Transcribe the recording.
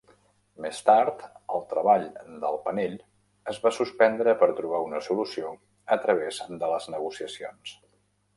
Més tard, el treball del panell es va suspendre per trobar una solució a través de les negociacions.